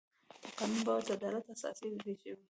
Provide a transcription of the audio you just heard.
د قانون باور د عدالت احساس زېږوي.